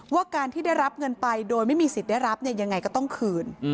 ว่าการที่ได้รับเงินไปโดยไม่มีสิทธิ์ได้รับเนี่ยยังไงก็ต้องคืน